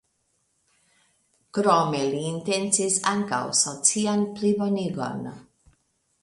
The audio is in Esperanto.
Krome li intencis ankaŭ socian plibonigon.